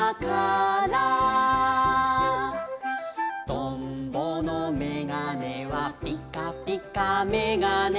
「とんぼのめがねはピカピカめがね」